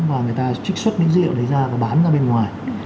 và người ta trích xuất những dữ liệu đấy ra và bán ra bên ngoài